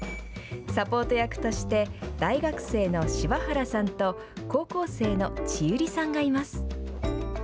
サポート役として大学生の芝原さんと高校生の千百合さんがいます。